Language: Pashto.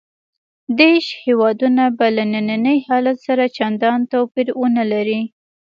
دېرش هېوادونه به له ننني حالت سره چندان توپیر ونه لري.